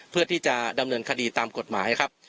เพื่อที่จะดำเนินคดีตามกฎหมายครับ